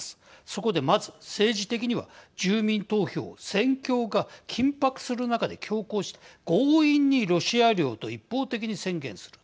そこでまず、政治的には住民投票を戦況が緊迫する中で強行して強引にロシア領と一方的に宣言する。